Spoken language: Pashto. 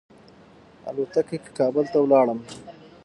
الوتکه کې کابل ته ولاړم.